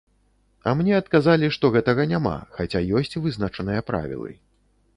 А мне адказалі, што гэтага няма, хаця ёсць вызначаныя правілы.